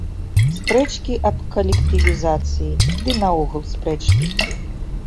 Спрэчкі аб калектывізацыі ды наогул спрэчкі.